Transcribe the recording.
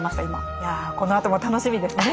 いやこのあとも楽しみですね